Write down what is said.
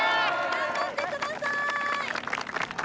頑張って下さい。